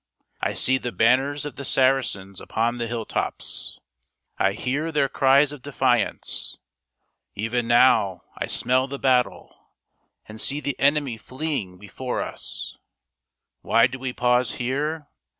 I see the banners of the Saracens upon the hill tops. I hear their cries of defiance. Even now I smell the battle, and see the enemy fleeing before us. Why do we pause here